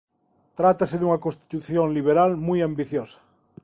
Trátase dunha constitución liberal moi ambiciosa.